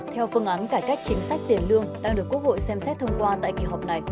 theo phương án cải cách chính sách tiền lương đang được quốc hội xem xét thông qua tại kỳ họp này